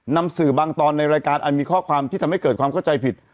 นำสื่อบางตอนในรายการอันมีข้อความที่ทำให้เกิดความเข้าใจผิด